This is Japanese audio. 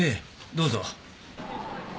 どうぞ。